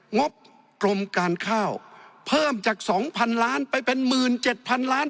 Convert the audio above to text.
งบกรมการข้าวเพิ่มจาก๒๐๐๐ล้านไปเป็น๑๗๐๐ล้าน